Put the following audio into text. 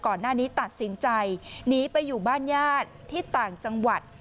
ก่อนหน้านี้ตัดสินใจหนีไปอยู่บ้านญาติที่ต่างจังหวัด